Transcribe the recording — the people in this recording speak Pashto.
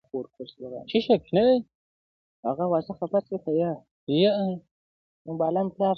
خو دايوه پوښتنه دا کوم چي ولي ريشا ,